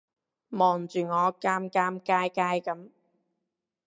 望住我尷尷尬尬噉